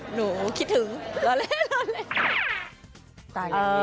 หนูคิดถึงล้อเล่น